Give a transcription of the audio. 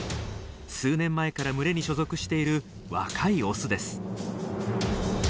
数年前から群れに所属している若いオスです。